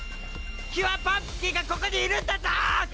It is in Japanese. キュアパンプキンがここにいるんだぞ！